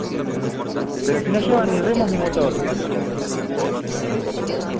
¡ pero si no llevan ni remos, ni motor!